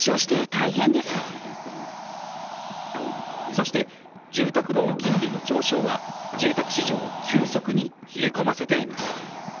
そして、住宅ローン金利に上昇は住宅市場を急速に冷え込ませています。